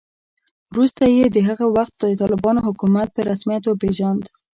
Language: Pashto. وروسته یې د هغه وخت د طالبانو حکومت په رسمیت وپېژاند